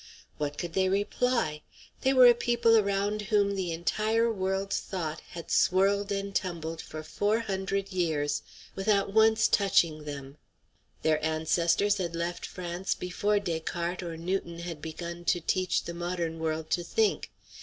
What could they reply? They were a people around whom the entire world's thought had swirled and tumbled for four hundred years without once touching them. Their ancestors had left France before Descartes or Newton had begun to teach the modern world to think.